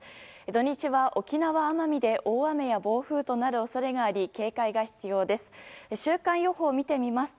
土日は沖縄、奄美で大雨や暴風となる恐れがあり警戒が必要です。